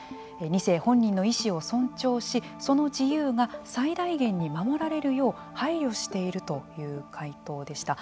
２世本人の意思を尊重しその自由が最大限に守られるよう配慮しているという回答でした。